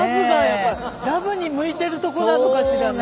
ラブに向いてるとこなのかしらね。